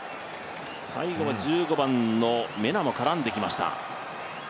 最後は１５番のメナも絡んできました。